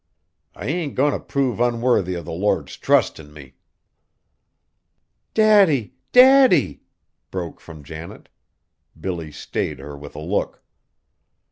I ain't goin' t' prove unworthy o' the Lord's trust in me!" "Daddy! Daddy!" broke from Janet. Billy stayed her with a look.